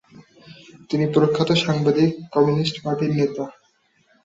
তিনি প্রখ্যাত সাংবাদিক, কম্যুনিস্ট পার্টির নেতা।